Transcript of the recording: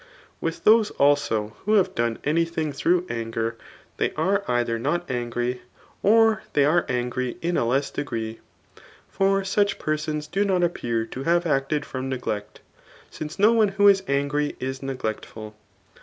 With those also who have done any thing through anger, they are either not angry, or they are angry in a less de» gree; for such persons do not appear to have acted from neglect ; since no one who is angry is neglectful.